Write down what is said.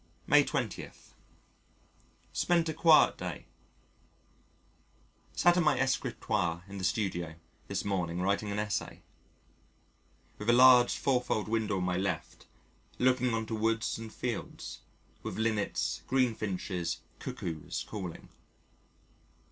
May 20. Spent a quiet day. Sat at my escritoire in the Studio this morning writing an Essay, with a large 4 fold window on my left, looking on to woods and fields, with Linnets, Greenfinches, Cuckoos calling.